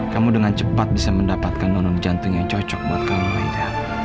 kamu dengan cepat bisa mendapatkan nonom jantung yang cocok buat kamu lainnya